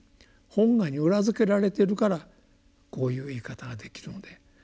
本願に裏付けられてるからこういう言い方ができるので。